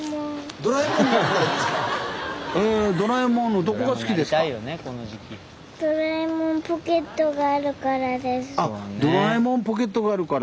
ドラえもんポケットがあるから？